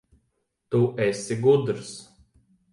Tu esi gudrs.